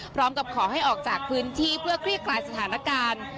พร้อมกับขอให้ออกจากพื้นที่เพื่อคลี่คลายสถานการณ์